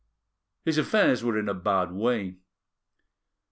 His affairs were in a bad way.